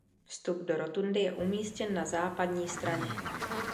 Vstup do rotundy je umístěn na západní straně.